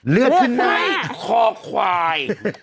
เลือดขึ้นหน้าข้อควาย